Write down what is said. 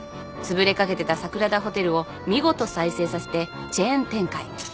つぶれかけてた桜田ホテルを見事再生させてチェーン展開。